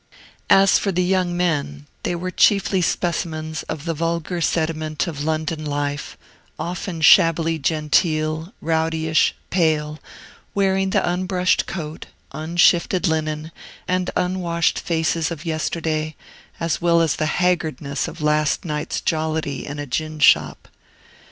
As for the young men, they were chiefly specimens of the vulgar sediment of London life, often shabbily genteel, rowdyish, pale, wearing the unbrushed coat, unshifted linen, and unwashed faces of yesterday, as well as the haggardness of last night's jollity in a gin shop.